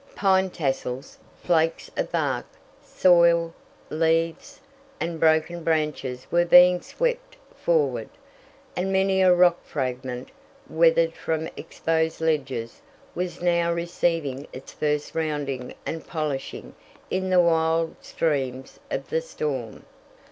Pine tassels, flakes of bark, soil, leaves, and broken branches were being swept forward, and many a rock fragment, weathered from exposed ledges, was now receiving its first rounding and polishing in the wild streams of the storm.